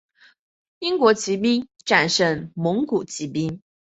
英国骑兵战胜蒙古骑兵。